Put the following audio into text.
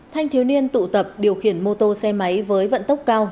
thanh thiếu niên tụ tập điều khiển mô tô xe máy với vận tốc cao